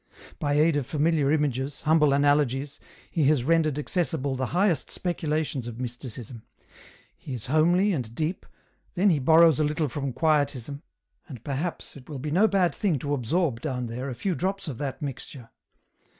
By aid of familiar images, humble analogies, he has rendered accessible the highest speculations of Mysticism. He is homely and deep, then he borrows a little from quietism, and, perhaps, it will be no bad thing to absorb, down there, a few drops of that mixture.